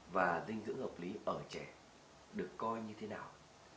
và dinh dưỡng hợp lý ở trẻ được coi như thế nào